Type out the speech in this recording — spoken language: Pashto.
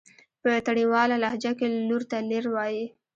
په تڼيواله لهجه کې لور ته لير وايي.